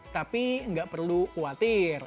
tapi nggak perlu khawatir